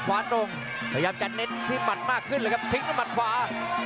ตรงพยายามจะเน้นที่หมัดมากขึ้นเลยครับทิ้งด้วยมัดขวา